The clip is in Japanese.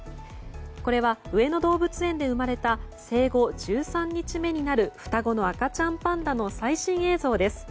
これは上野動物園で生まれた生後１３日目になる双子の赤ちゃんパンダの最新映像です。